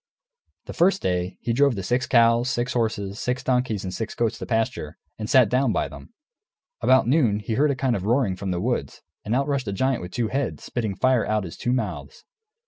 The first day, he drove the six cows, six horses, six donkeys, and six goats to pasture, and sat down by them. About noon he heard a kind of roaring from the wood; and out rushed a giant with two heads, spitting fire out of his two mouths.